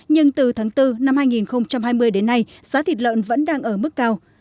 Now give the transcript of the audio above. nhưng từ tháng bốn năm hai nghìn hai mươi đến nay giá thịt lợn vẫn đang ở mức cao